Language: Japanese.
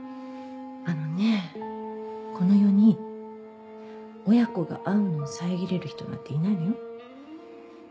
あのねこの世に親子が会うのを遮れる人なんていないのよ。